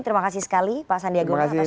terima kasih sekali pak sandiaga uno atas